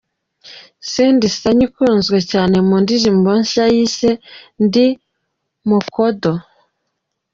Cindy Sanyu ukunzwe cyane mu ndirimbo nshya yise 'Ndi Mukodo'.